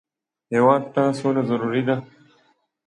هېواد ته سوله ضروري ده